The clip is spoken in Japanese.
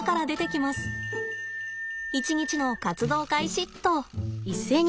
一日の活動開始っと。